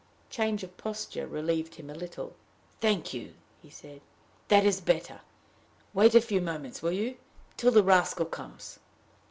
Change of posture relieved him a little. "Thank you," he said. "That is better. Wait a few moments, will you till the rascal comes?"